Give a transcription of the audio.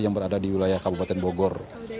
yang berada di wilayah kabupaten bogor